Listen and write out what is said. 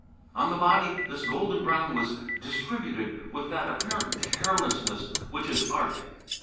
On the body this golden brown was distributed with that apparent carelessness which is Art.